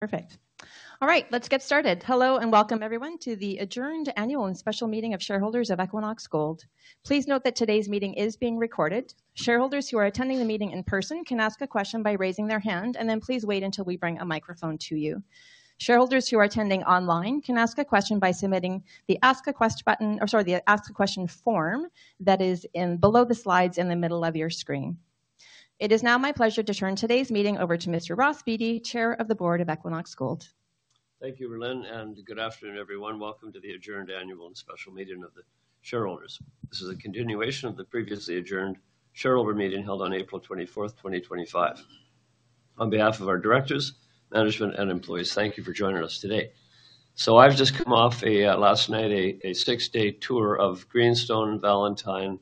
Perfect. All right, let's get started. Hello and welcome, everyone, to the adjourned annual and special meeting of shareholders of Equinox Gold. Please note that today's meeting is being recorded. Shareholders who are attending the meeting in person can ask a question by raising their hand, and then please wait until we bring a microphone to you. Shareholders who are attending online can ask a question by submitting the Ask a Question form that is below the slides in the middle of your screen. It is now my pleasure to turn today's meeting over to Mr. Ross Beaty, Chair of the Board of Equinox Gold. Thank you, Rhylin, and good afternoon, everyone. Welcome to the adjourned annual and special meeting of the shareholders. This is a continuation of the previously adjourned shareholder meeting held on April 24, 2025. On behalf of our directors, management, and employees, thank you for joining us today. I just came off last night a six-day tour of Greenstone, Valentine,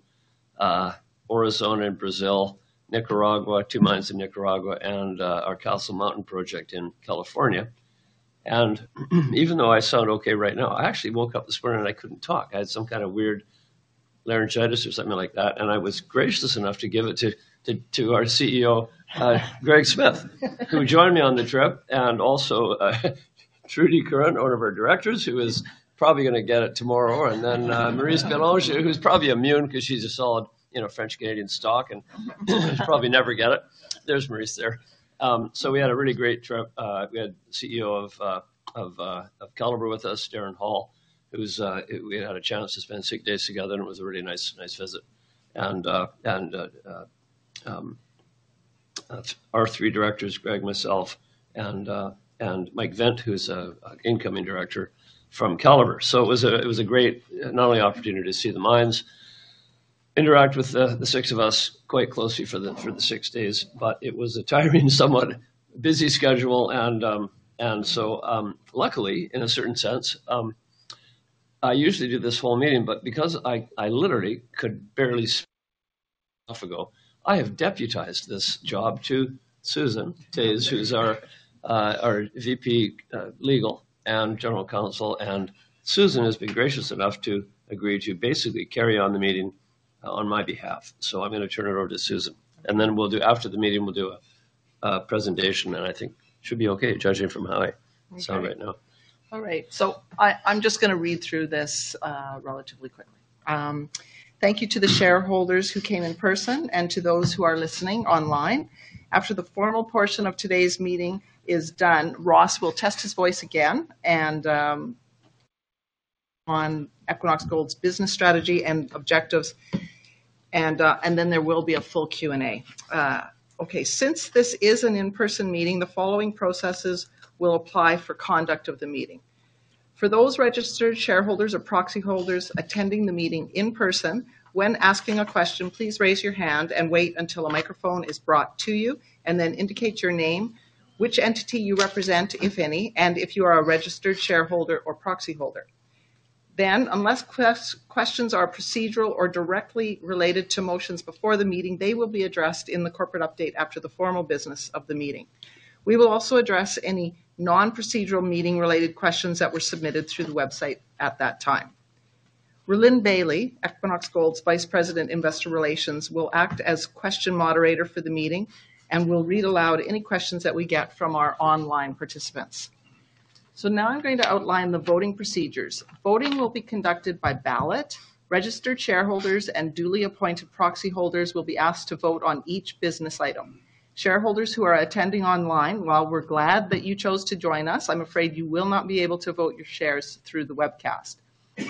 Aurizona, Brazil, Nicaragua, two mines in Nicaragua, and our Castle Mountain project in California. Even though I sound okay right now, I actually woke up this morning and I could not talk. I had some kind of weird laryngitis or something like that, and I was gracious enough to give it to our CEO, Greg Smith, who joined me on the trip, and also Trudy Curran, one of our directors, who is probably going to get it tomorrow, and then Maryse Bélanger, who's probably immune because she's a solid French Canadian stock and probably never get it. There's Maryse there. We had a really great trip. We had the CEO of Calibre with us, Darren Hall, who we had a chance to spend six days together, and it was a really nice visit. Our three directors, Greg, myself, and Mike Vint, who's an incoming director from Calibre. It was a great not only opportunity to see the mines, interact with the six of us quite closely for the six days, but it was a tiring, somewhat busy schedule. Luckily, in a certain sense, I usually do this whole meeting, but because I literally could barely speak a month ago, I have deputized this job to Susan Toews, who's our VP, Legal, and General Counsel, and Susan has been gracious enough to agree to basically carry on the meeting on my behalf. I'm going to turn it over to Susan, and then we'll do, after the meeting, we'll do a presentation, and I think it should be okay, judging from how I sound right now. All right. I'm just going to read through this relatively quickly. Thank you to the shareholders who came in person and to those who are listening online. After the formal portion of today's meeting is done, Ross will test his voice again on Equinox Gold's business strategy and objectives, and then there will be a full Q&A. Okay. Since this is an in-person meeting, the following processes will apply for conduct of the meeting. For those registered shareholders or proxy holders attending the meeting in person, when asking a question, please raise your hand and wait until a microphone is brought to you, and then indicate your name, which entity you represent, if any, and if you are a registered shareholder or proxy holder. The must has questions are procedural or directly related to motions before the meeting, they will be addressed in the corporate update after the formal business of the meeting. We will also address any non-procedural meeting-related questions that were submitted through the website at that time. Rhylin Bailie, Equinox Gold's Vice President, Investor Relations, will act as question moderator for the meeting and will read aloud any questions that we get from our online participants. Now I'm going to outline the voting procedures. Voting will be conducted by ballot. Registered shareholders and duly appointed proxy holders will be asked to vote on each business item. Shareholders who are attending online, while we're glad that you chose to join us, I'm afraid you will not be able to vote your shares through the webcast.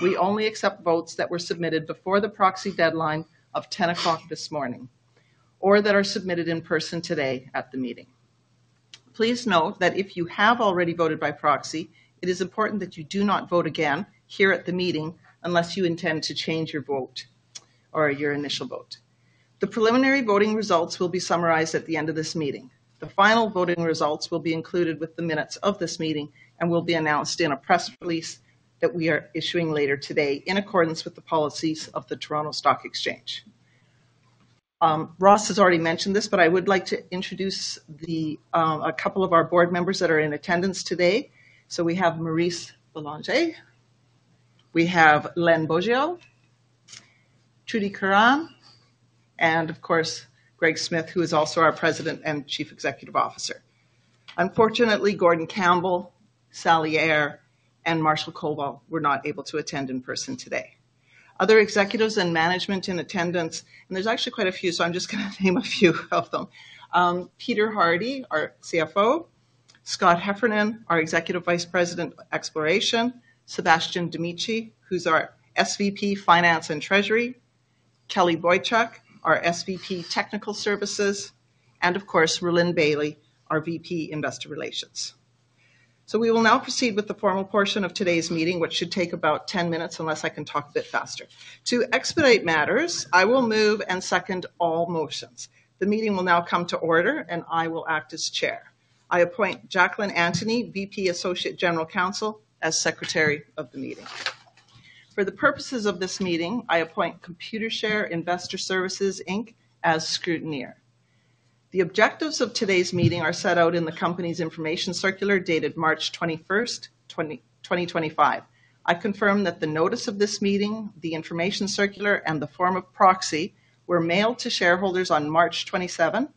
We only accept votes that were submitted before the proxy deadline of 10:00 A.M. this morning or that are submitted in person today at the meeting. Please note that if you have already voted by proxy, it is important that you do not vote again here at the meeting unless you intend to change your vote or your initial vote. The preliminary voting results will be summarized at the end of this meeting. The final voting results will be included with the minutes of this meeting and will be announced in a press release that we are issuing later today in accordance with the policies of the Toronto Stock Exchange. Ross has already mentioned this, but I would like to introduce a couple of our board members that are in attendance today. We have Maryse Bélanger, we have Lynn Beaudoin, Trudy Curran, and of course, Greg Smith, who is also our President and Chief Executive Officer. Unfortunately, Gordon Campbell, Sally Eyre, and Marshall Koval were not able to attend in person today. Other executives and management in attendance, and there's actually quite a few, so I'm just going to name a few of them. Peter Hardie, our CFO, Scott Heffernan, our Executive Vice President, Exploration, Sebastian D'Amici, who's our SVP, Finance and Treasury, Kelly Boychuk, our SVP, Technical Services, and of course, Rhylin Bailie, our VP, Investor Relations. We will now proceed with the formal portion of today's meeting, which should take about 10 minutes unless I can talk a bit faster. To expedite matters, I will move and second all motions. The meeting will now come to order, and I will act as chair. I appoint Jacqlin Anthony, VP, associate general counsel, as secretary of the meeting. For the purposes of this meeting, I appoint Computershare Investor Services Inc. as scrutineer. The objectives of today's meeting are set out in the company's information circular dated March 21st, 2025. I confirm that the notice of this meeting, the information circular, and the form of proxy were mailed to shareholders on March 27th,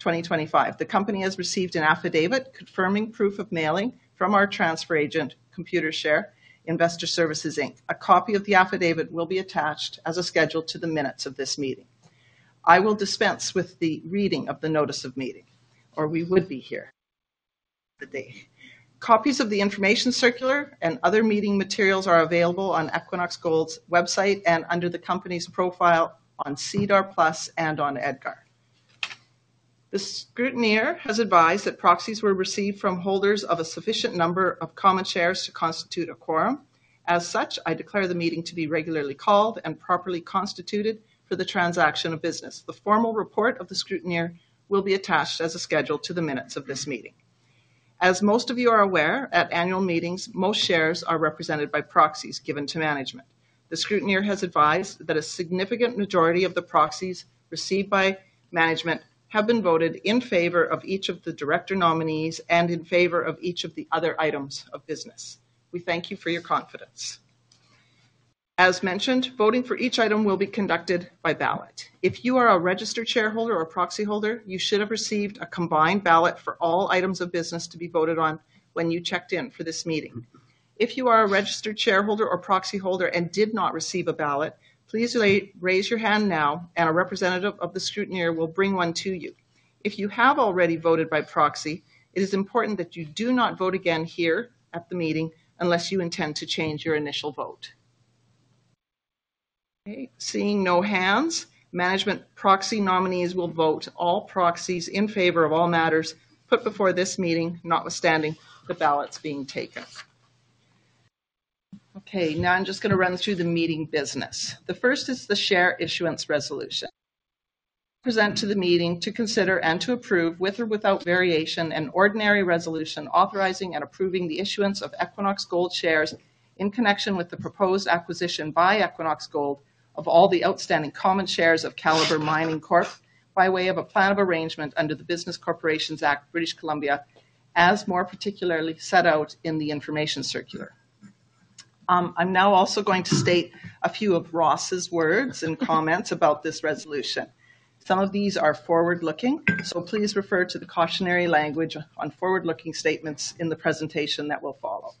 2025. The company has received an affidavit confirming proof of mailing from our transfer agent, Computershare Investor Services Inc. A copy of the affidavit will be attached as scheduled to the minutes of this meeting. I will dispense with the reading of the notice of meeting, or we would be here today. Copies of the information circular and other meeting materials are available on Equinox Gold's website and under the company's profile on SEDAR+ and on EDGAR. The scrutineer has advised that proxies were received from holders of a sufficient number of common shares to constitute a quorum. As such, I declare the meeting to be regularly called and properly constituted for the transaction of business. The formal report of the scrutineer will be attached as scheduled to the minutes of this meeting. As most of you are aware, at annual meetings, most shares are represented by proxies given to management. The scrutineer has advised that a significant majority of the proxies received by management have been voted in favor of each of the director nominees and in favor of each of the other items of business. We thank you for your confidence. As mentioned, voting for each item will be conducted by ballot. If you are a registered shareholder or proxy holder, you should have received a combined ballot for all items of business to be voted on when you checked in for this meeting. If you are a registered shareholder or proxy holder and did not receive a ballot, please raise your hand now, and a representative of the scrutineer will bring one to you. If you have already voted by proxy, it is important that you do not vote again here at the meeting unless you intend to change your initial vote. Okay. Seeing no hands, management proxy nominees will vote all proxies in favor of all matters put before this meeting, notwithstanding the ballots being taken. Okay. Now I'm just going to run through the meeting business. The first is the share issuance resolution. Present to the meeting to consider and to approve with or without variation an ordinary resolution authorizing and approving the issuance of Equinox Gold shares in connection with the proposed acquisition by Equinox Gold of all the outstanding common shares of Calibre Mining by way of a plan of arrangement under the Business Corporations Act, British Columbia, as more particularly set out in the information circular. I'm now also going to state a few of Ross's words and comments about this resolution. Some of these are forward-looking, so please refer to the cautionary language on forward-looking statements in the presentation that will follow.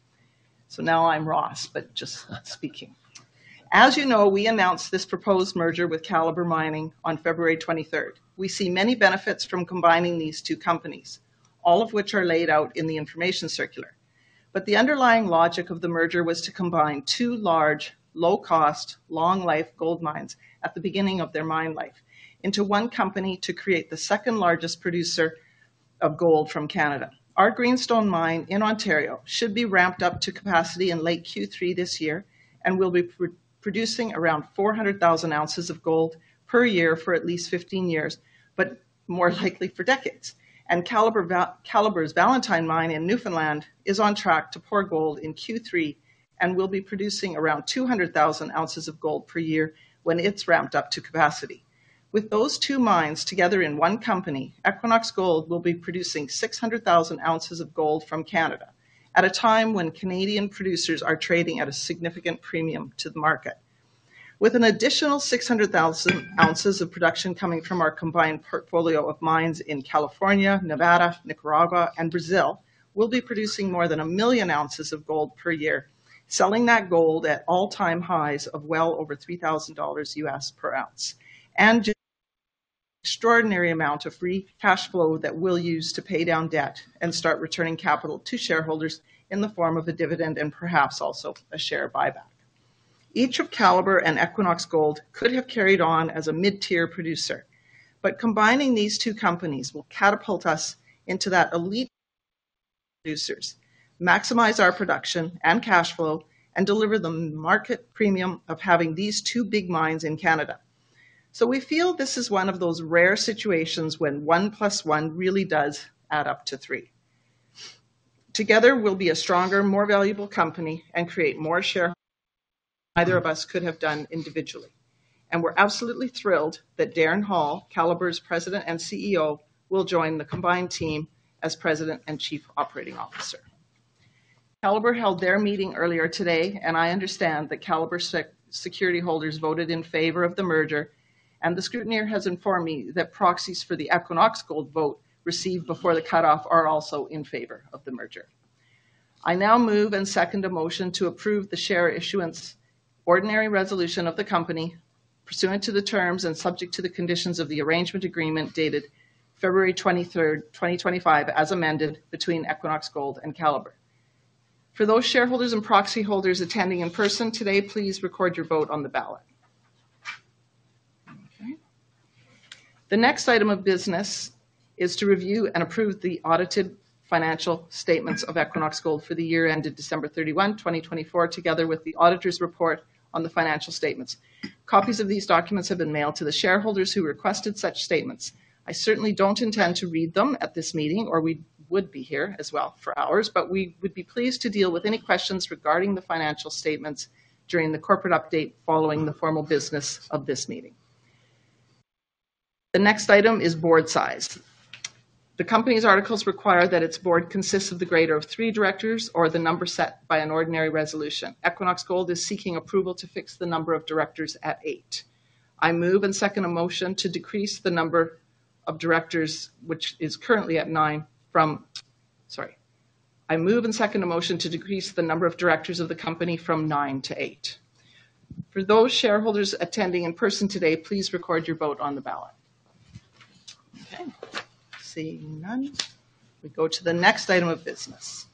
So, now I'm Ross, but just speaking. As you know, we announced this proposed merger with Calibre Mining on February 23rd. We see many benefits from combining these two companies, all of which are laid out in the information circular. The underlying logic of the merger was to combine two large, low-cost, long-life gold mines at the beginning of their mine life into one company to create the second largest producer of gold from Canada. Our Greenstone Mine in Ontario, should be ramped up to capacity in late Q3 this year and will be producing around 400,000 ounces of gold per year for at least 15 years, but more likely for decades. Calibre's Valentine Gold Mine in Newfoundland is on track to pour gold in Q3 and will be producing around 200,000 ounces of gold per year when it's ramped up to capacity. With those two mines together in one company, Equinox Gold will be producing 600,000 ounces of gold from Canada at a time when Canadian producers are trading at a significant premium to the market. With an additional 600,000 ounces of production coming from our combined portfolio of mines in California, Nevada, Nicaragua, and Brazil, we'll be producing more than a million ounces of gold per year, selling that gold at all-time highs of well over $3,000 per ounce, and just an extraordinary amount of free cash flow that we'll use to pay down debt and start returning capital to shareholders in the form of a dividend and perhaps also a share buyback. Each of Calibre and Equinox Gold could have carried on as a mid-tier producer, but combining these two companies will catapult us into that elite producers, maximize our production and cash flow, and deliver the market premium of having these two big mines in Canada. We feel this is one of those rare situations when one plus one really does add up to three. Together, we'll be a stronger, more valuable company and create more shareholders than either of us could have done individually. We are absolutely thrilled that Darren Hall, Calibre's President and CEO, will join the combined team as President and Chief Operating Officer. Calibre held their meeting earlier today, and I understand that Calibre's security holders voted in favor of the merger, and the scrutineer has informed me that proxies for the Equinox Gold vote received before the cutoff are also in favor of the merger. I now move and second a motion to approve the share issuance ordinary resolution of the company, pursuant to the terms and subject to the conditions of the arrangement agreement dated February 23rd, 2025, as amended between Equinox Gold and Calibre. For those shareholders and proxy holders attending in person today, please record your vote on the ballot. Okay. The next item of business is to review and approve the audited financial statements of Equinox Gold for the year ended December 31, 2024, together with the auditor's report on the financial statements. Copies of these documents have been mailed to the shareholders who requested such statements. I certainly don't intend to read them at this meeting, or we would be here as well for hours, but we would be pleased to deal with any questions regarding the financial statements during the corporate update following the formal business of this meeting. The next item is board size. The company's articles require that its board consist of the greater of three directors or the number set by an ordinary resolution. Equinox Gold is seeking approval to fix the number of directors at eight. I move and second a motion to decrease the number of directors of the company from nine to eight. For those shareholders attending in person today, please record your vote on the ballot. Okay. Seeing none. We go to the next item of business,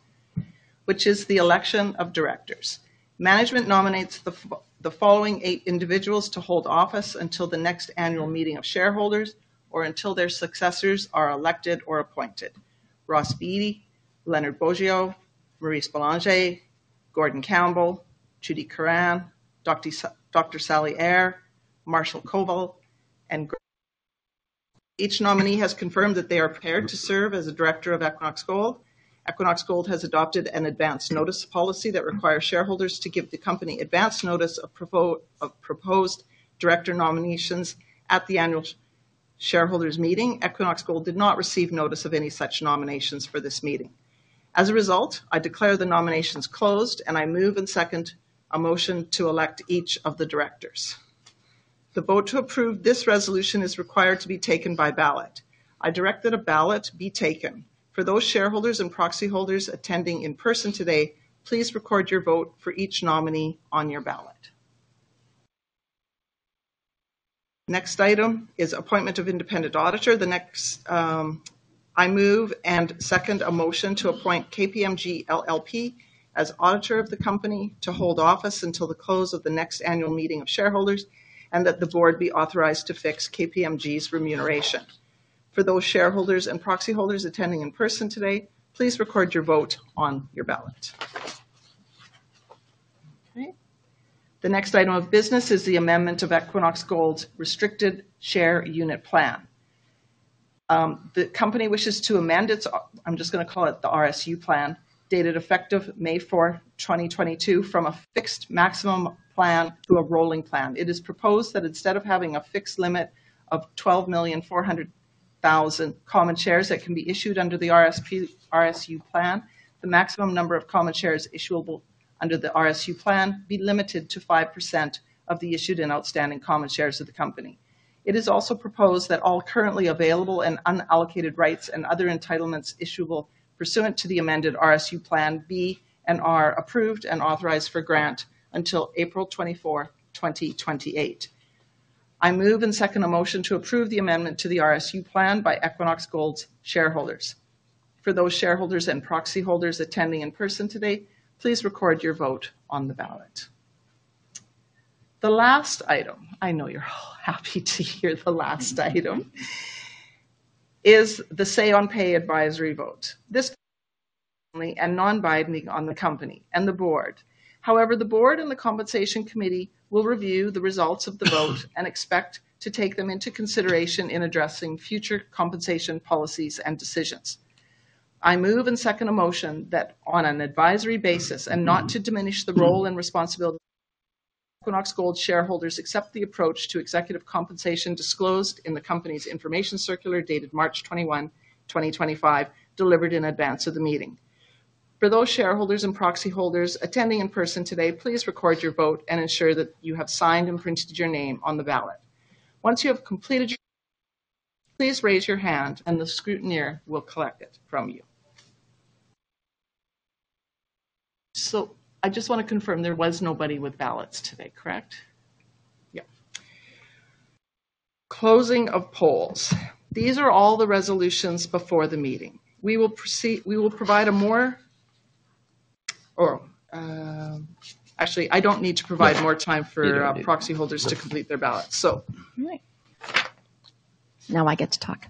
which is the election of directors. Management nominates the following eight individuals to hold office until the next annual meeting of shareholders or until their successors are elected or appointed: Ross Beaty, Lynn Beaudoin, Maryse Bélanger, Gordon Campbell, Trudy Curran, Sally Eyre, Marshall Koval, and Mike Vint. Each nominee has confirmed that they are prepared to serve as a director of Equinox Gold. Equinox Gold has adopted an advance notice policy that requires shareholders to give the company advance notice of proposed director nominations at the annual shareholders meeting. Equinox Gold did not receive notice of any such nominations for this meeting. As a result, I declare the nominations closed, and I move and second a motion to elect each of the directors. The vote to approve this resolution is required to be taken by ballot. I direct that a ballot be taken. For those shareholders and proxy holders attending in person today, please record your vote for each nominee on your ballot. Next item is appointment of independent auditor. The next, I move and second a motion to appoint KPMG LLP as auditor of the company to hold office until the close of the next annual meeting of shareholders and that the board be authorized to fix KPMG's remuneration. For those shareholders and proxy holders attending in person today, please record your vote on your ballot. Okay. The next item of business is the amendment of Equinox Gold's restricted share unit plan. The company wishes to amend its, I'm just going to call it the RSU plan, dated effective May 4th, 2022, from a fixed maximum plan to a rolling plan. It is proposed that instead of having a fixed limit of 12.400 million common shares that can be issued under the RSU plan, the maximum number of common shares issuable under the RSU plan be limited to 5% of the issued and outstanding common shares of the company. It is also proposed that all currently available and unallocated rights and other entitlements issuable pursuant to the amended RSU plan be and are approved and authorized for grant until April 24, 2028. I move and second a motion to approve the amendment to the RSU Plan by Equinox Gold's shareholders. For those shareholders and proxy holders attending in person today, please record your vote on the ballot. The last item, I know you're happy to hear the last item, is the say-on-pay advisory vote. This is only non-binding on the company and the board. However, the board and the compensation committee will review the results of the vote and expect to take them into consideration in addressing future compensation policies and decisions. I move and second a motion that on an advisory basis and not to diminish the role and responsibility of Equinox Gold shareholders accept the approach to executive compensation disclosed in the company's information circular dated March 21, 2025, delivered in advance of the meeting. For those shareholders and proxy holders attending in person today, please record your vote and ensure that you have signed and printed your name on the ballot. Once you have completed your, please raise your hand and the scrutineer will collect it from you. I just want to confirm there was nobody with ballots today, correct? Yep. Closing of polls. These are all the resolutions before the meeting. I will provide a more, or actually, I do not need to provide more time for proxy holders to complete their ballots. All right. Now I get to talk.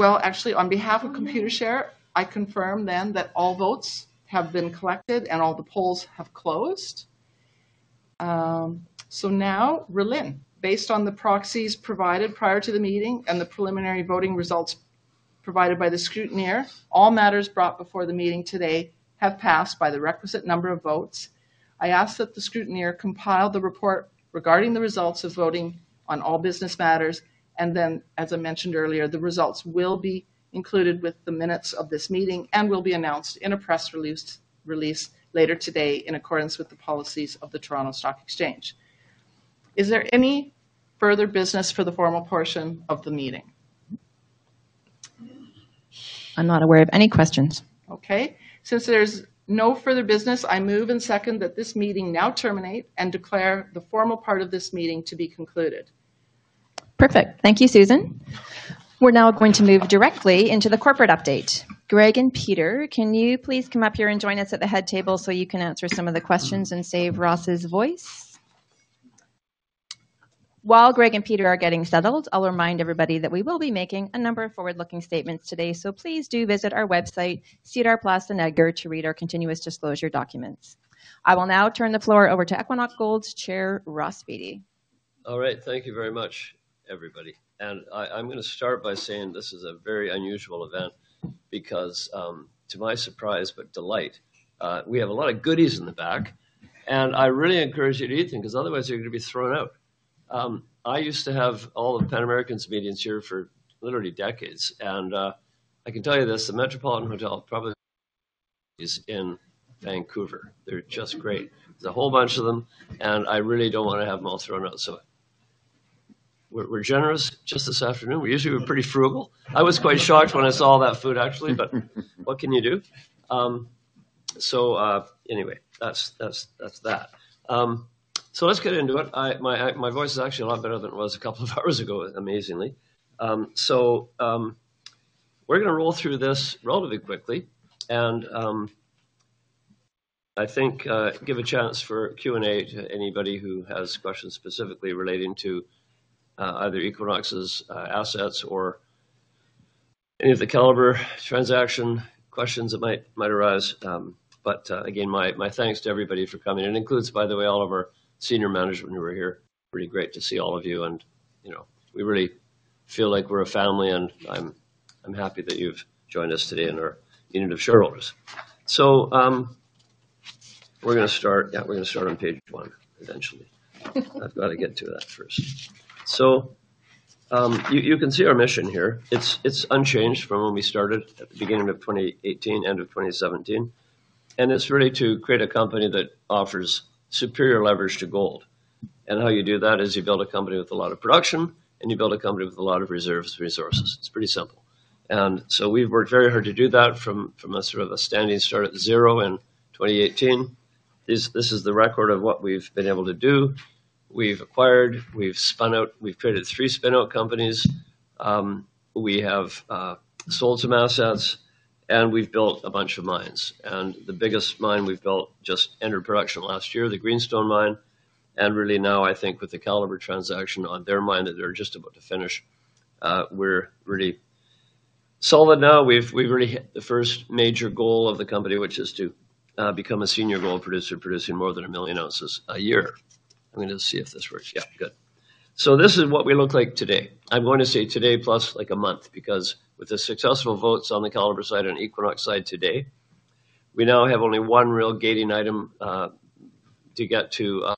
Actually, on behalf of Computershare, I confirm then that all votes have been collected and all the polls have closed. Now, Rhylin, based on the proxies provided prior to the meeting and the preliminary voting results provided by the scrutineer, all matters brought before the meeting today have passed by the requisite number of votes. I ask that the scrutineer compile the report regarding the results of voting on all business matters, and then, as I mentioned earlier, the results will be included with the minutes of this meeting and will be announced in a press release later today in accordance with the policies of the Toronto Stock Exchange. Is there any further business for the formal portion of the meeting? I'm not aware of any questions. Okay. Since there's no further business, I move and second that this meeting now terminate and declare the formal part of this meeting to be concluded. Perfect. Thank you, Susan. We're now going to move directly into the corporate update. Greg and Peter, can you please come up here and join us at the head table so you can answer some of the questions and save Ross's voice? While Greg and Peter are getting settled, I'll remind everybody that we will be making a number of forward-looking statements today, so please do visit our website, SEDAR+ and EDGAR, to read our continuous disclosure documents. I will now turn the floor over to Equinox Gold's Chair, Ross Beaty. All right. Thank you very much, everybody. I'm going to start by saying this is a very unusual event because, to my surprise but delight, we have a lot of goodies in the back, and I really encourage you to eat them because otherwise you're going to be thrown out. I used to have all the Pan-Americans meetings here for literally decades, and I can tell you this, the Metropolitan Hotel probably is in Vancouver. They're just great. There's a whole bunch of them, and I really don't want to have them all thrown out. We're generous just this afternoon. We usually were pretty frugal. I was quite shocked when I saw all that food, actually, but what can you do? That's that. Let's get into it. My voice is actually a lot better than it was a couple of hours ago, amazingly. We're going to roll through this relatively quickly, and I think give a chance for Q&A to anybody who has questions specifically relating to either Equinox's assets or any of the Calibre transaction questions that might arise. Again, my thanks to everybody for coming. It includes, by the way, all of our senior management who are here. Really great to see all of you, and we really feel like we're a family, and I'm happy that you've joined us today in our unit of shareholders. So uhm, we're going to start, yeah, we're going to start on page one eventually. I've got to get to that first. You can see our mission here. It's unchanged from when we started at the beginning of 2018, end of 2017, and it's really to create a company that offers superior leverage to gold. How you do that is you build a company with a lot of production, and you build a company with a lot of reserves of resources. It's pretty simple. We've worked very hard to do that from a sort of a standing start at zero in 2018. This is the record of what we've been able to do. We've acquired, we've spun out, we've created three spin-out companies. We have sold some assets, and we've built a bunch of mines. The biggest mine we've built just entered production last year, the Greenstone Mine. And really now, I think with the Calibre transaction on their mine that they're just about to finish, we're really solid now. We've really hit the first major goal of the company, which is to become a senior gold producer producing more than a million ounces a year. I'm going to see if this works. Yeah, good. This is what we look like today. I'm going to say today plus like a month because with the successful votes on the Calibre side and Equinox side today, we now have only one real gating item to get to the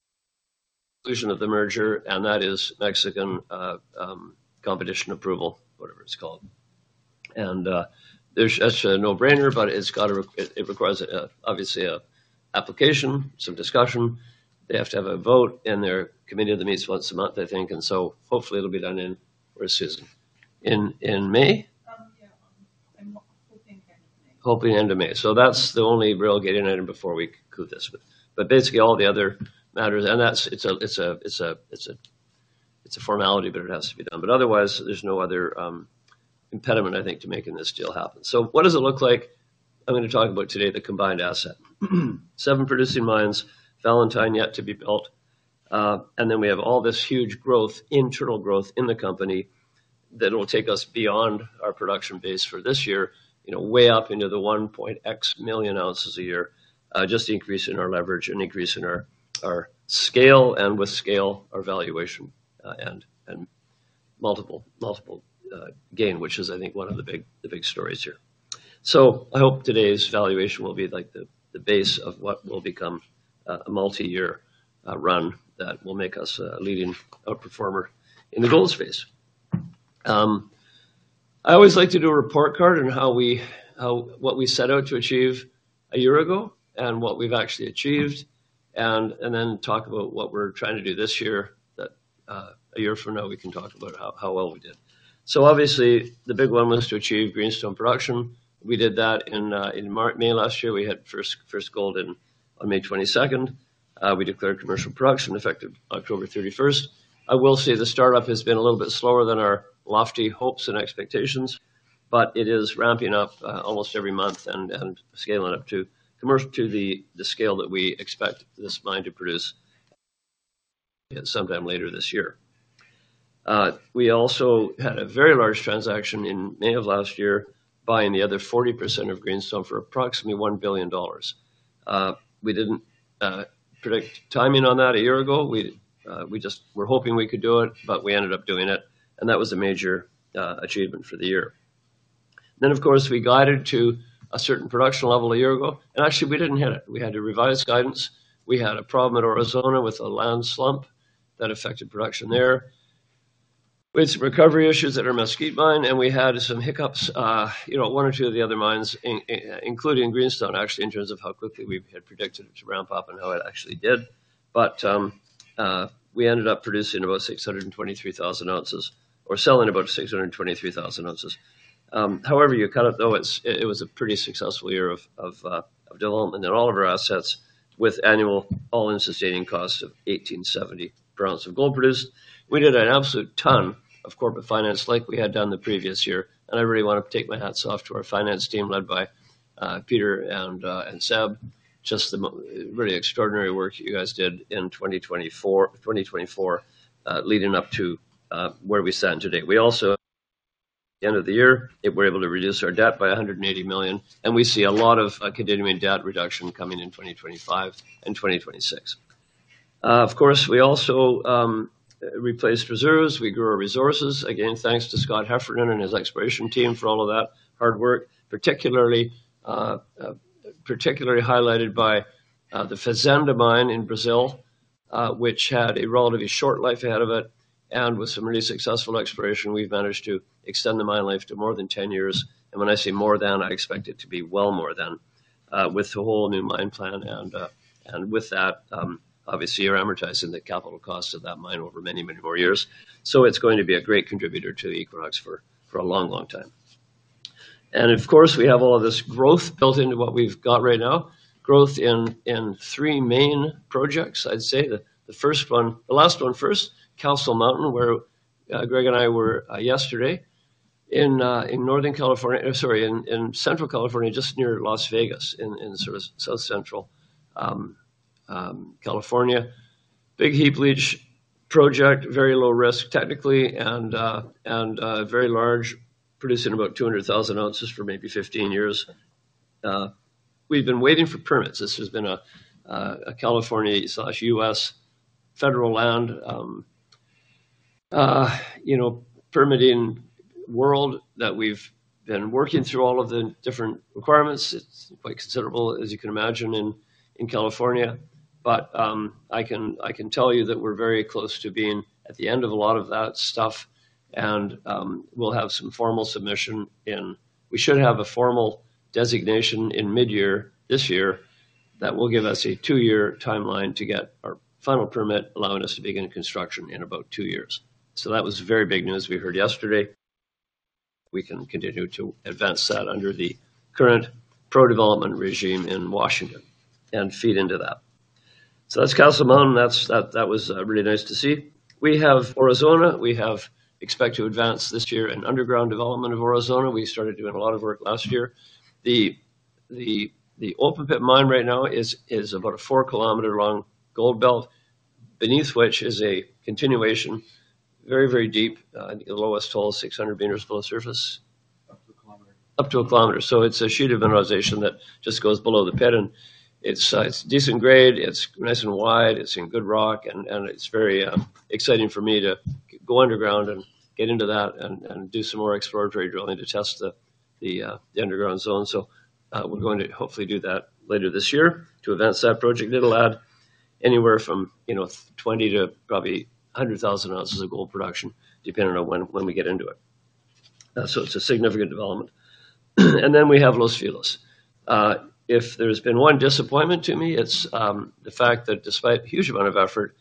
conclusion of the merger, and that is Mexican competition approval, whatever it's called. That's a no-brainer, but it requires obviously an application, some discussion. They have to have a vote, and their committee meets once a month, I think, and hopefully it'll be done in, where's Susan? In May? Yeah. I'm hoping end of May. Hoping end of May. That's the only real gating item before we conclude this with. Basically all the other matters, and it's a formality, but it has to be done. Otherwise, there's no other impediment, I think, to making this deal happen. What does it look like? I'm going to talk about today the combined asset. Seven producing mines, Valentine yet to be built, and then we have all this huge growth, internal growth in the company that will take us beyond our production base for this year, way up into the 1.x million ounces a year, just increasing our leverage and increasing our scale, and with scale, our valuation and multiple gain, which is, I think, one of the big stories here. I hope today's valuation will be like the base of what will become a multi-year run that will make us a leading outperformer in the gold space. I always like to do a report card on what we set out to achieve a year ago and what we've actually achieved, and then talk about what we're trying to do this year that a year from now we can talk about how well we did. Obviously, the big one was to achieve Greenstone production. We did that in May last year. We had first gold on May 22nd. We declared commercial production effective October 31st. I will say the startup has been a little bit slower than our lofty hopes and expectations, but it is ramping up almost every month and scaling up to the scale that we expect this mine to produce sometime later this year. We also had a very large transaction in May of last year buying the other 40% of Greenstone for approximately $1 billion. We didn't predict timing on that a year ago. We just were hoping we could do it, but we ended up doing it, and that was a major achievement for the year. Of course, we guided to a certain production level a year ago, and actually we didn't hit it. We had to revise guidance. We had a problem at Aurizona with a land slump that affected production there. We had some recovery issues at our Mesquite mine, and we had some hiccups at one or two of the other mines, including Greenstone, actually, in terms of how quickly we had predicted it to ramp up and how it actually did. We ended up producing about 623,000 ounces or selling about 623,000 ounces. However you cut it, though, it was a pretty successful year of development in all of our assets with annual all-in sustaining cost of $1,870 per ounce of gold produced. We did an absolute ton of corporate finance like we had done the previous year, and I really want to take my hats off to our finance team led by Peter and Seb, just the really extraordinary work you guys did in 2024, leading up to where we stand today. We also, at the end of the year, were able to reduce our debt by $180 million, and we see a lot of continuing debt reduction coming in 2025 and 2026. Of course, we also replaced reserves. We grew our resources, again, thanks to Scott Heffernan and his exploration team for all of that hard work, particularly highlighted by the Fazenda Mine in Brazil, which had a relatively short life ahead of it. With some really successful exploration, we've managed to extend the mine life to more than 10 years. When I say more than, I expect it to be well more than with the whole new mine plan. With that, obviously, you're amortizing the capital cost of that mine over many, many more years. It is going to be a great contributor to Equinox Gold for a long, long time. Of course, we have all of this growth built into what we've got right now, growth in three main projects, I'd say that first one last one first, Castle Mountain, where Greg and I were yesterday in northern California, sorry, in central California, just near Las Vegas in sort of south-central California. Big heap leach project, very low risk technically and very large, producing about 200,000 ounces for maybe 15 years. We've been waiting for permits. This has been a California/U.S. federal land permitting world that we've been working through all of the different requirements. It's quite considerable, as you can imagine, in California. I can tell you that we're very close to being at the end of a lot of that stuff, and we'll have some formal submission in. We should have a formal designation in mid-year this year that will give us a two-year timeline to get our final permit, allowing us to begin construction in about two years. That was very big news we heard yesterday. We can continue to advance that under the current pro-development regime in Washington and feed into that. That is Castle Mountain. That was really nice to see. We have Aurizona. We expect to advance this year in underground development of Aurizona. We started doing a lot of work last year. The open pit mine right now is about a 4km long gold belt, beneath which is a continuation, very, very deep, the lowest hole is 600m below surface. Up to a kilometer. Up to a kilometer. It is a sheet of mineralization that just goes below the pit, and it is decent grade. It is nice and wide. It is in good rock, and it is very exciting for me to go underground and get into that and do some more exploratory drilling to test the underground zone. We are going to hopefully do that later this year to advance that project. It'll add anywhere from 20 to probably 100,000 ounces of gold production, depending on when we get into it. It is a significant development. We have Los Filos. If there has been one disappointment to me, it's the fact that despite a huge amount of effort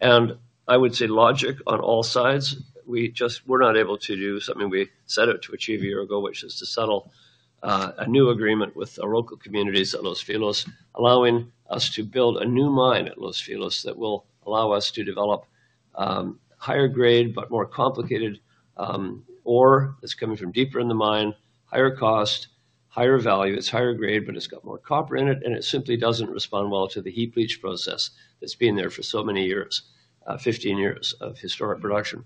and I would say logic on all sides, we're not able to do something we set out to achieve a year ago, which is to settle a new agreement with our local communities at Los Filos, allowing us to build a new mine at Los Filos that will allow us to develop higher-grade but more complicated ore that's coming from deeper in the mine, higher cost, higher value. It's higher grade, but it's got more copper in it, and it simply doesn't respond well to the heap leach process that's been there for so many years, 15 years of historic production.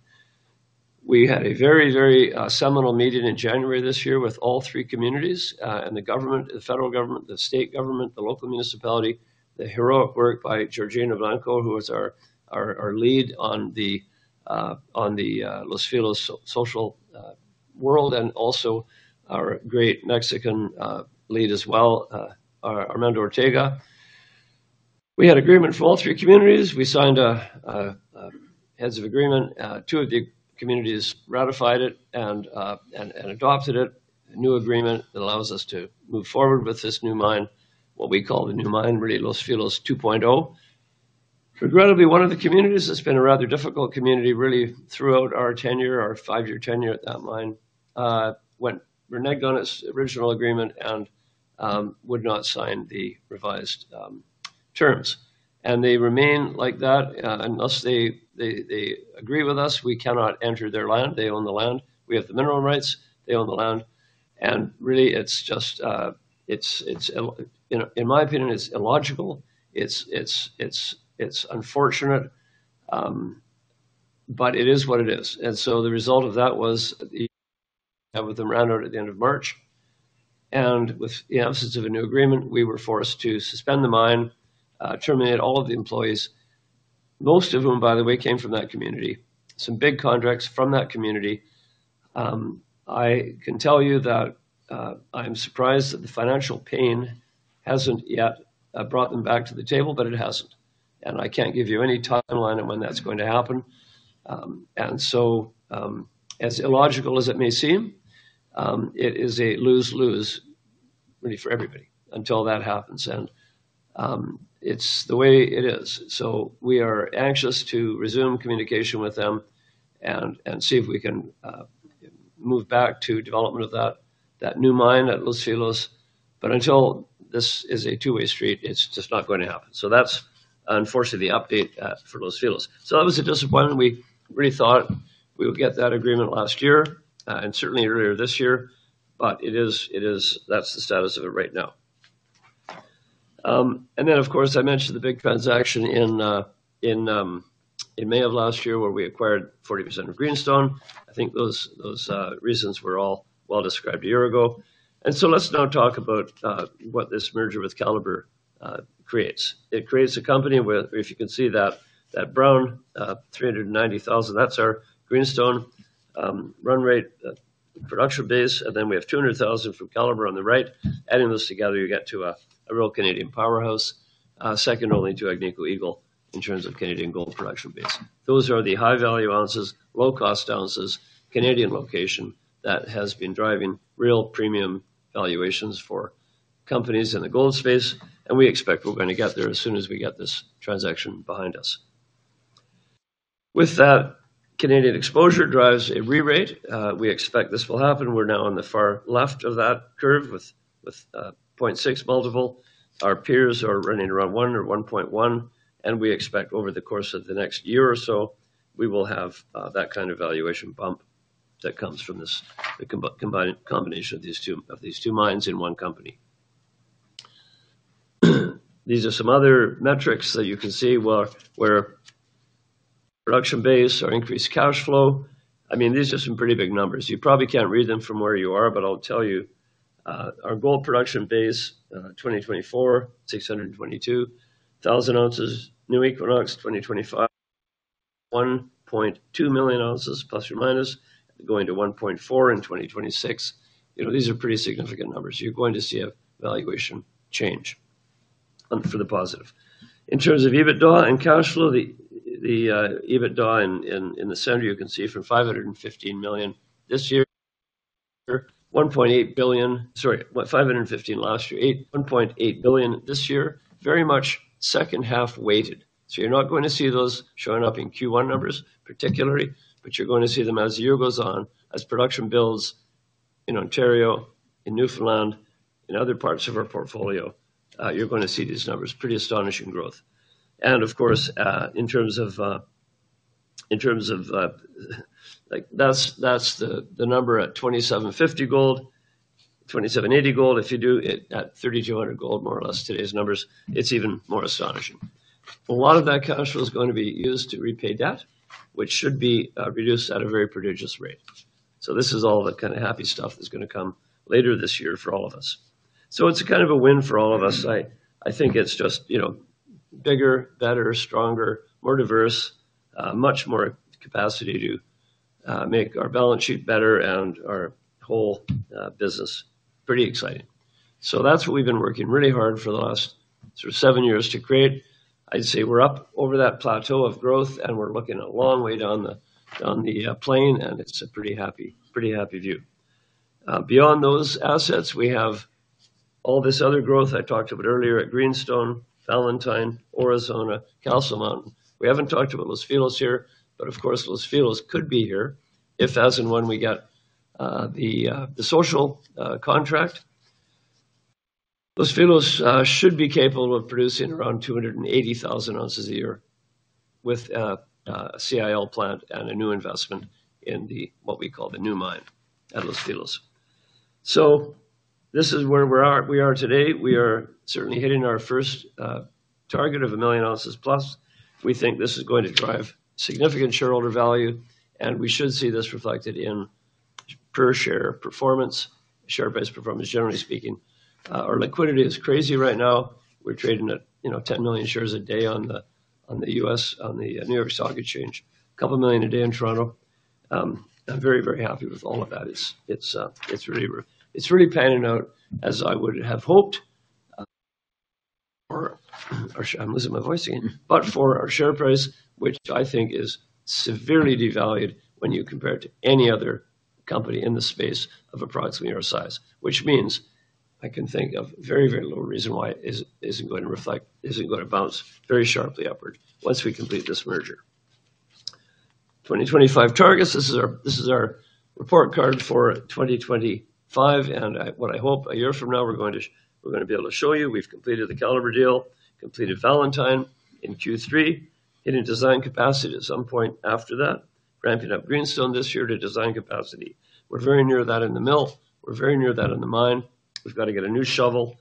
We had a very, very seminal meeting in January this year with all three communities and the government, the federal government, the state government, the local municipality, the heroic work by Georgina Blanco, who was our lead on the Los Filos social world, and also our great Mexican lead as well, Armando Ortega. We had agreement from all three communities. We signed a heads of agreement. Two of the communities ratified it and adopted it. New agreement that allows us to move forward with this new mine, what we call the new mine, really Los Filos 2.0. Regrettably, one of the communities has been a rather difficult community really throughout our tenure, our five-year tenure at that mine, when renege on its original agreement and would not sign the revised terms. They remain like that unless they agree with us. We cannot enter their land. They own the land. We have the minimum rights. They own the land. Really, in my opinion, it's illogical. It's unfortunate, but it is what it is. The result of that was the have with them round out at the end of March. With the absence of a new agreement, we were forced to suspend the mine, terminate all of the employees, most of whom, by the way, came from that community, some big contracts from that community. I can tell you that I'm surprised that the financial pain hasn't yet brought them back to the table, but it hasn't. I can't give you any timeline on when that's going to happen. As illogical as it may seem, it is a lose-lose really for everybody until that happens. It's the way it is. We are anxious to resume communication with them and see if we can move back to development of that new mine at Los Filos. Until this is a two-way street, it's just not going to happen. That's unfortunately the update for Los Filos. That was a disappointment. We really thought we would get that agreement last year and certainly earlier this year, but that's the status of it right now. Of course, I mentioned the big transaction in May of last year where we acquired 40% of Greenstone. I think those reasons were all well described a year ago. Let's now talk about what this merger with Calibre creates. It creates a company where, if you can see that brown 390,000, that's our Greenstone run rate production base. Then we have 200,000 from Calibre on the right. Adding those together, you get to a real Canadian powerhouse, second only to Agnico Eagle in terms of Canadian gold production base. Those are the high-value ounces, low-cost ounces, Canadian location that has been driving real premium valuations for companies in the gold space. We expect we're going to get there as soon as we get this transaction behind us. With that, Canadian exposure drives a re-rate. We expect this will happen. We're now on the far left of that curve with 0.6 multiple. Our peers are running around 1 or 1.1, and we expect over the course of the next year or so, we will have that kind of valuation bump that comes from this combination of these two mines in one company. These are some other metrics that you can see where production base or increased cash flow. I mean, these are some pretty big numbers. You probably can't read them from where you are, but I'll tell you our gold production base 2024, 622,000 ounces. New Equinox 2025, 1.2 million ounces plus or minus going to 1.4 in 2026. These are pretty significant numbers. You're going to see a valuation change for the positive. In terms of EBITDA and cash flow, the EBITDA in the center, you can see from $515 million last year, $1.8 billion this year, very much H2 weighted. You're not going to see those showing up in Q1 numbers particularly, but you're going to see them as the year goes on, as production builds in Ontario, in Newfoundland, in other parts of our portfolio, you're going to see these numbers, pretty astonishing growth. Of course, in terms of that's the number at $2,750 gold, $2,780 gold, if you do it at $3,200 gold, more or less today's numbers, it's even more astonishing. A lot of that cash flow is going to be used to repay debt, which should be reduced at a very prodigious rate. This is all the kind of happy stuff that's going to come later this year for all of us. It's kind of a win for all of us. I think it's just bigger, better, stronger, more diverse, much more capacity to make our balance sheet better and our whole business pretty exciting. That's what we've been working really hard for the last sort of seven years to create. I'd say we're up over that plateau of growth, and we're looking a long way down the plane, and it's a pretty happy view. Beyond those assets, we have all this other growth. I talked about earlier at Greenstone, Valentine, Aurizona, Castle Mountain. We have not talked about Los Filos here, but of course, Los Filos could be here if, as in when, we get the social contract. Los Filos should be capable of producing around 280,000 ounces a year with a CIL plant and a new investment in what we call the new mine at Los Filos. This is where we are today. We are certainly hitting our first target of a million ounces plus. We think this is going to drive significant shareholder value, and we should see this reflected in per-share performance, share-based performance, generally speaking. Our liquidity is crazy right now. We are trading at 10 million shares a day on the U.S., on the New York Stock Exchange, a couple million a day in Toronto. I'm very, very happy with all of that. It's really panning out as I would have hoped. I'm losing my voice again. For our share price, which I think is severely devalued when you compare it to any other company in the space of approximately our size, I can think of very, very little reason why it isn't going to reflect, isn't going to bounce very sharply upward once we complete this merger. 2025 targets, this is our report card for 2025. What I hope a year from now, we're going to be able to show you we've completed the Calibre deal, completed Valentine in Q3, hitting design capacity at some point after that, ramping up Greenstone this year to design capacity. We're very near that in the mill. We're very near that in the mine. We've got to get a new shovel,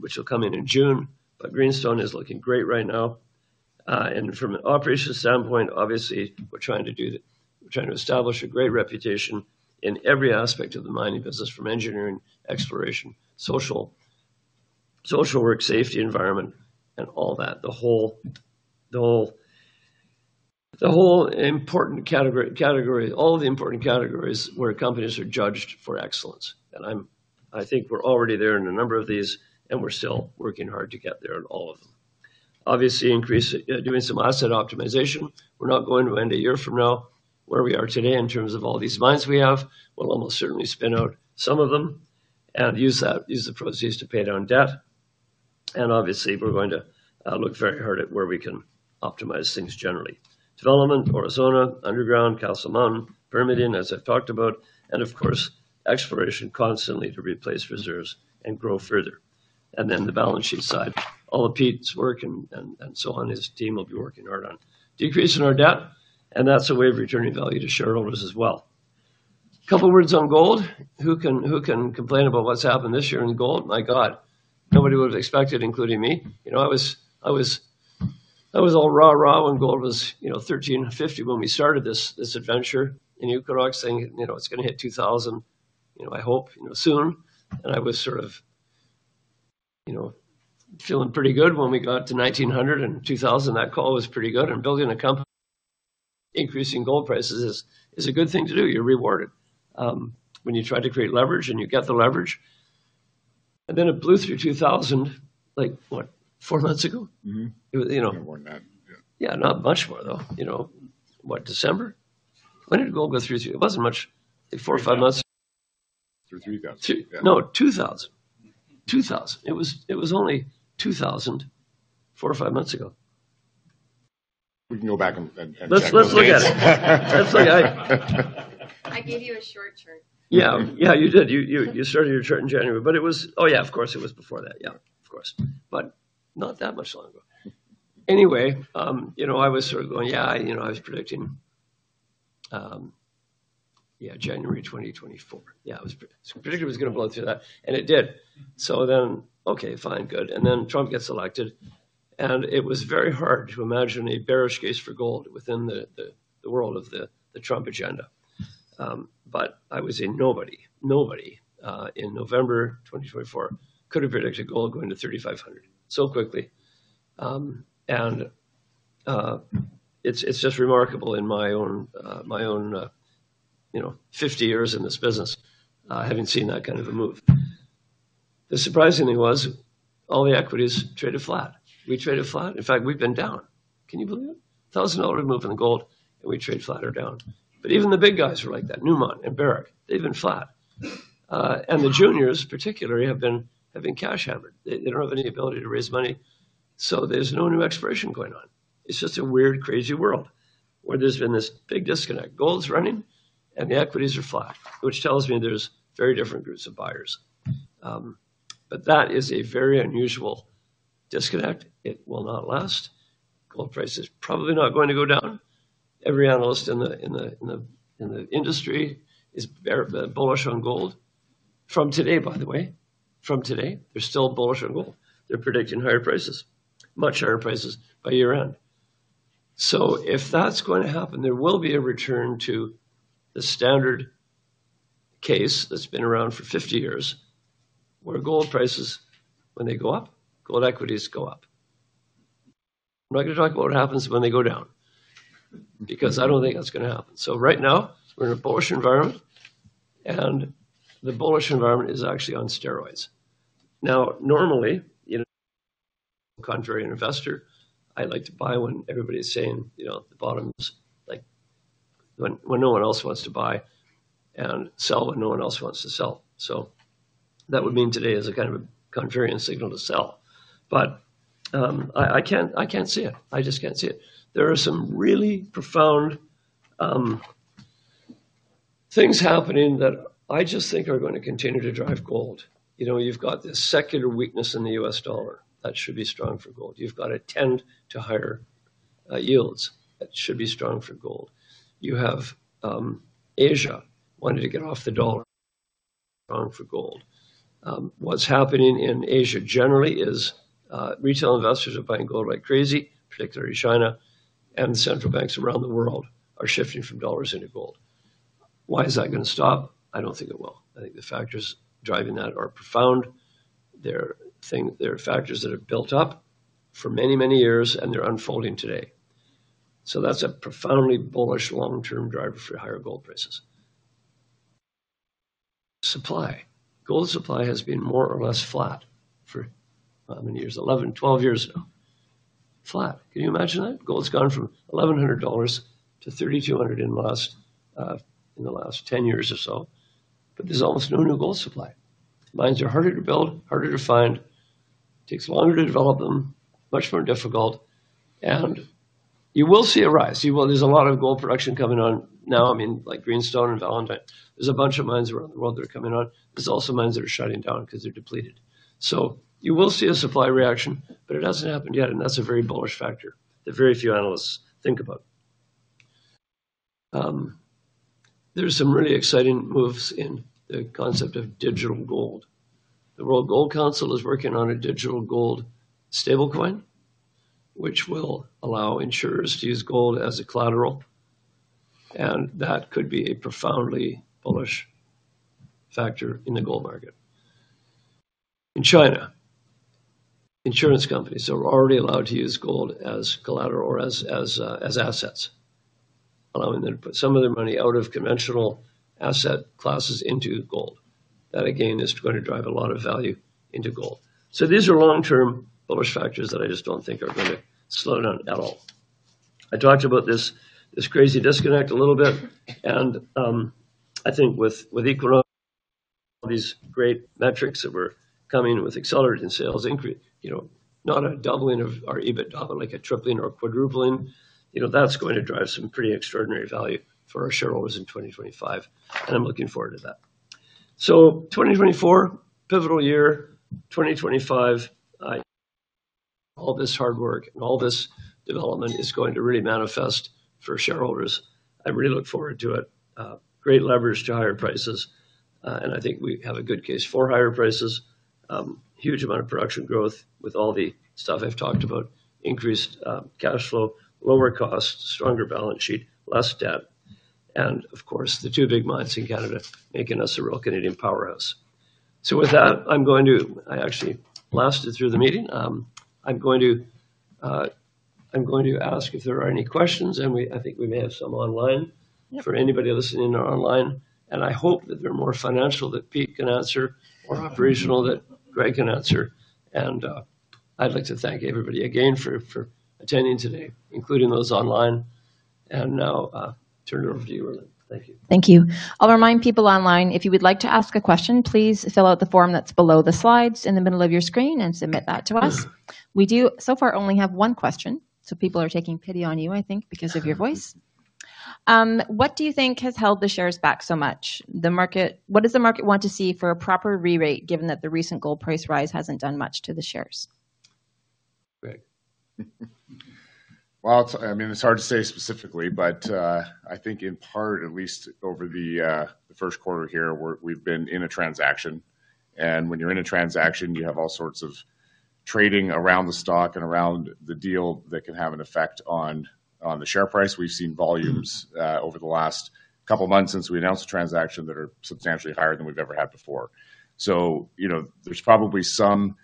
which will come in in June. Greenstone is looking great right now. From an operation standpoint, obviously, we're trying to establish a great reputation in every aspect of the mining business from engineering, exploration, social work, safety, environment, and all that. The whole important category, all the important categories where companies are judged for excellence. I think we're already there in a number of these, and we're still working hard to get there in all of them. Obviously, doing some asset optimization. We're not going to end a year from now where we are today in terms of all these mines we have. We'll almost certainly spin out some of them and use the proceeds to pay down debt. Obviously, we're going to look very hard at where we can optimize things generally. Development, Aurizona, underground, Castle Mountain, permitting, as I've talked about, and of course, exploration constantly to replace reserves and grow further. The balance sheet side, all of Pete's work and so on, his team will be working hard on decreasing our debt. That's a way of returning value to shareholders as well. A couple of words on gold. Who can complain about what's happened this year in gold? My God, nobody would have expected, including me. I was all rah-rah when gold was $1,350 when we started this adventure in Equinox Gold saying, "It's going to hit $2,000, I hope, soon." I was sort of feeling pretty good when we got to $1,900 and $2,000. That call was pretty good. Building a company, increasing gold prices is a good thing to do. You're rewarded when you try to create leverage and you get the leverage. Then it blew through $2,000, like, what, four months ago? You know. Yeah, not much more though. What, December? When did gold go through? It was not much, like four or five months. Through $3,000. No, $2,000. $2,000. It was only $2,000 four or five months ago. We can go back and check that. Let's look at it. I gave you a short chart. Yeah, yeah, you did. You started your chart in January. It was, oh yeah, of course, it was before that. Yeah, of course. Not that much long ago. Anyway, I was sort of going, "Yeah, I was predicting, yeah, January 2024." I was predicting it was going to blow through that. It did. Okay, fine, good. Then Trump gets elected. It was very hard to imagine a bearish case for gold within the world of the Trump agenda. I was a nobody, nobody in November 2024 could have predicted gold going to $3,500 so quickly. It is just remarkable in my own 50 years in this business, having seen that kind of a move. The surprising thing was all the equities traded flat. We traded flat. In fact, we have been down. Can you believe it? $1,000 move in the gold, and we trade flat or down. Even the big guys are like that, Newmont and Barrick, they have been flat. The juniors, particularly, have been cash-heaven. They do not have any ability to raise money. There is no new exploration going on. It is just a weird, crazy world where there has been this big disconnect. Gold is running and the equities are flat, which tells me there are very different groups of buyers. That is a very unusual disconnect. It will not last. Gold price is probably not going to go down. Every analyst in the industry is bullish on gold. From today, by the way, from today, they're still bullish on gold. They're predicting higher prices, much higher prices by year-end. If that's going to happen, there will be a return to the standard case that's been around for 50 years where gold prices, when they go up, gold equities go up. I'm not going to talk about what happens when they go down because I don't think that's going to happen. Right now, we're in a bullish environment. The bullish environment is actually on steroids. Now, normally, contrary to investor, I like to buy when everybody's saying the bottom is like when no one else wants to buy and sell when no one else wants to sell. That would mean today is a kind of a contrarian signal to sell. I can't see it. I just can't see it. There are some really profound things happening that I just think are going to continue to drive gold. You've got this secular weakness in the U.S. dollar that should be strong for gold. You've got a tend to higher yields that should be strong for gold. You have Asia wanting to get off the dollar for gold. What's happening in Asia generally is retail investors are buying gold like crazy, particularly China, and central banks around the world are shifting from dollars into gold. Why is that going to stop? I don't think it will. I think the factors driving that are profound. There are factors that have built up for many, many years, and they're unfolding today. That's a profoundly bullish long-term driver for higher gold prices. Supply. Gold supply has been more or less flat for many years, 11, 12 years ago. Flat. Can you imagine that? Gold's gone from $1,100 to $3,200 in the last 10 years or so. There's almost no new gold supply. Mines are harder to build, harder to find. It takes longer to develop them, much more difficult. You will see a rise. There's a lot of gold production coming on now. I mean, like Greenstone and Valentine, there's a bunch of mines around the world that are coming on. There's also mines that are shutting down because they're depleted. You will see a supply reaction, but it hasn't happened yet. That's a very bullish factor that very few analysts think about. There's some really exciting moves in the concept of digital gold. The World Gold Council is working on a digital gold stablecoin, which will allow insurers to use gold as collateral. That could be a profoundly bullish factor in the gold market. In China, insurance companies are already allowed to use gold as collateral or as assets, allowing them to put some of their money out of conventional asset classes into gold. That, again, is going to drive a lot of value into gold. These are long-term bullish factors that I just do not think are going to slow down at all. I talked about this crazy disconnect a little bit. I think with Equinox Gold, all these great metrics that we are coming with accelerating sales, not a doubling of our EBITDA, but like a tripling or quadrupling, that is going to drive some pretty extraordinary value for our shareholders in 2025. I am looking forward to that. 2024, pivotal year. 2025, all this hard work and all this development is going to really manifest for shareholders. I really look forward to it. Great leverage to higher prices. I think we have a good case for higher prices. Huge amount of production growth with all the stuff I've talked about, increased cash flow, lower costs, stronger balance sheet, less debt. Of course, the two big mines in Canada making us a real Canadian powerhouse. With that, I'm going to, I actually blasted through the meeting. I'm going to ask if there are any questions. I think we may have some online for anybody listening online. I hope that there are more financial that Pete can answer or operational that Greg can answer. I'd like to thank everybody again for attending today, including those online. Now turn it over to you, Rhylin. Thank you. Thank you. I'll remind people online, if you would like to ask a question, please fill out the form that's below the slides in the middle of your screen and submit that to us. We do so far only have one question. People are taking pity on you, I think, because of your voice. What do you think has held the shares back so much? What does the market want to see for a proper re-rate, given that the recent gold price rise hasn't done much to the shares? Greg. I mean, it's hard to say specifically, but I think in part, at least over the first quarter here, we've been in a transaction. When you're in a transaction, you have all sorts of trading around the stock and around the deal that can have an effect on the share price. We've seen volumes over the last couple of months since we announced the transaction that are substantially higher than we've ever had before. There's probably some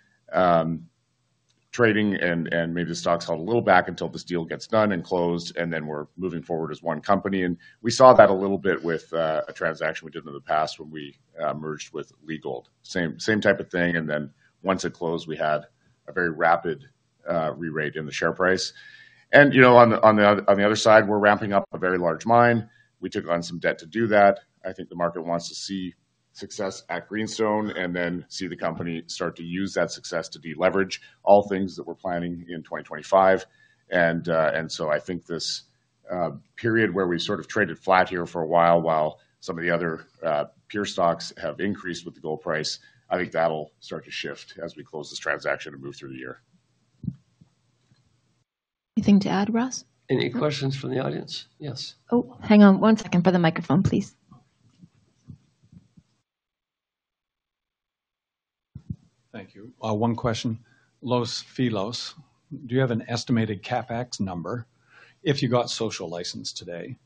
trading and maybe the stock's held a little back until this deal gets done and closed, and then we're moving forward as one company. We saw that a little bit with a transaction we did in the past when we merged with Leagold. Same type of thing. Once it closed, we had a very rapid re-rating in the share price. On the other side, we're ramping up a very large mine. We took on some debt to do that. I think the market wants to see success at Greenstone and then see the company start to use that success to deleverage all things that we're planning in 2025. I think this period where we sort of traded flat here for a while while some of the other peer stocks have increased with the gold price, I think that'll start to shift as we close this transaction and move through the year. Anything to add, Ross? Any questions from the audience? Yes. Oh, hang on one second for the microphone, please. Thank you. One question. Los Filos, do you have an estimated CapEx number if you got social license today?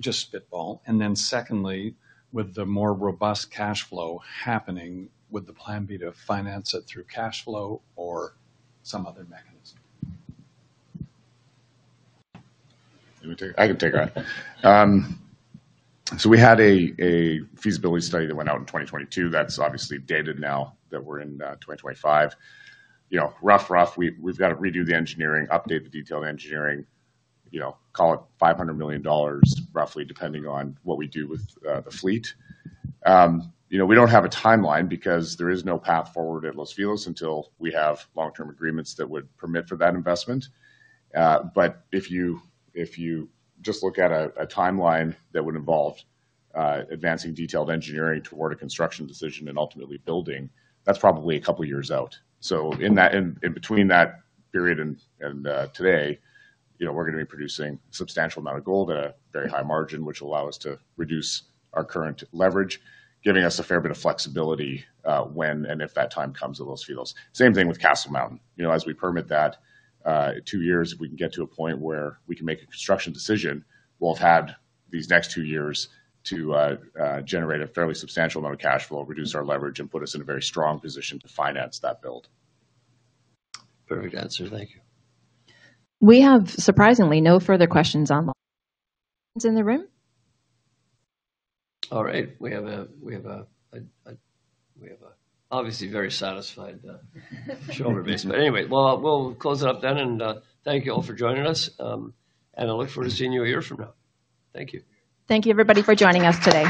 Just spitball. And then secondly, with the more robust cash flow happening, would the plan be to finance it through cash flow or some other mechanism? I can take that. Uhm, we had a feasibility study that went out in 2022. That's obviously dated now that we're in 2025. Rough, rough, we've got to redo the engineering, update the detailed engineering, call it $500 million, roughly, depending on what we do with the fleet. We do not have a timeline because there is no path forward at Los Filos until we have long-term agreements that would permit for that investment. If you just look at a timeline that would involve advancing detailed engineering toward a construction decision and ultimately building, that's probably a couple of years out. In between that period and today, we're going to be producing a substantial amount of gold at a very high margin, which will allow us to reduce our current leverage, giving us a fair bit of flexibility when and if that time comes at Los Filos. Same thing with Castle Mountain. As we permit that, two years, if we can get to a point where we can make a construction decision, we'll have had these next two years to generate a fairly substantial amount of cash flow, reduce our leverage, and put us in a very strong position to finance that build. Perfect answer. Thank you. We have, surprisingly, no further questions online. In the room? All right. We have a, obviously, very satisfied shareholder base. Anyway, we'll close it up then. Thank you all for joining us. I look forward to seeing you a year from now. Thank you. Thank you, everybody, for joining us today.